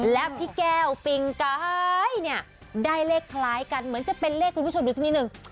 และพี่แก้วปิงกายเนี่ยได้เลขคล้ายกันเหมือนจะเป็นเลขคุณผู้ชมดูสักนิดนึง